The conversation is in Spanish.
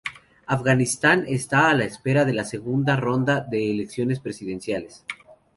Afganistán está a la espera de una segunda ronda de elecciones presidenciales.